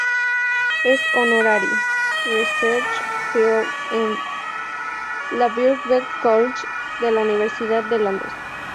Es Honorary Research Fellow en el Birkbeck College de la Universidad de Londres.